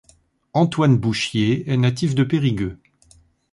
Antoine Bouchier est natif de Périgueux.